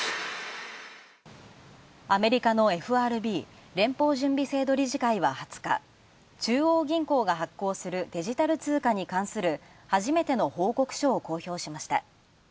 アメリカのＦＲＢ＝連邦準備制度理事会は２０日、中央銀行が発行するデジタル通貨に関する初めての報告書を公表しました。